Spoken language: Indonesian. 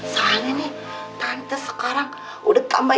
soalnya nih tante sekarang udah tambah